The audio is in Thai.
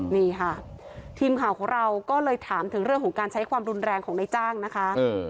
นี่ค่ะทีมข่าวของเราก็เลยถามถึงเรื่องของการใช้ความรุนแรงของนายจ้างนะคะ